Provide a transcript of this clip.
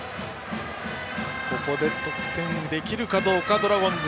ここで得点できるかどうかドラゴンズ。